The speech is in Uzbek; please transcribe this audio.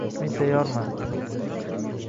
— Men tayyorman.